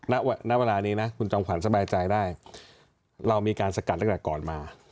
ณเวลานี้นะคุณจอมขวัญสบายใจได้เรามีการสกัดตั้งแต่ก่อนมา